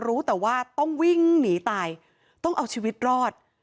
รู้แต่ว่าต้องวิ่งหนีตายต้องเอาชีวิตรอด